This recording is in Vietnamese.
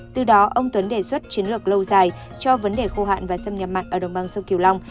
từ đó ông tuấn đề xuất chiến lược lâu dài cho vấn đề khô hạn và xâm nhập mặn ở đồng bằng sông kiều long